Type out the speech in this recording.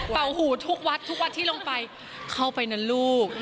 เป๋าหูทุกวัดที่ลงไปเข้าไปนะลูก